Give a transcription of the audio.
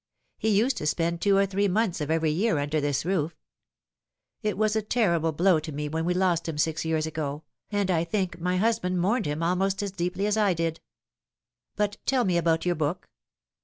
He used to spend two or three months of every year under this roof. It was a terrible blow to me when we lost him six years ago, and I think my husband mourned him almost as deeply as I did. But tell me about your book.